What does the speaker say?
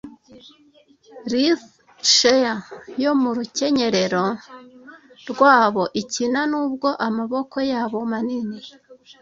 Lithe sheer yo mu rukenyerero rwabo ikina nubwo amaboko yabo manini,